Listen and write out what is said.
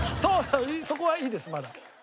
そこはいいですまだ。